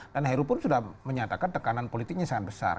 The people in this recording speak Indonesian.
dan heru pun sudah menyatakan tekanan politiknya sangat besar